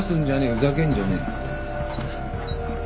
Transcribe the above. ふざけんじゃねえ。